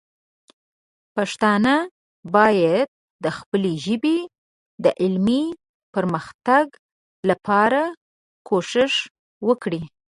پښتانه باید د خپلې ژبې د علمي پرمختګ لپاره کوښښ وکړي.